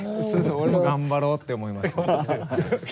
俺も頑張ろうって思います。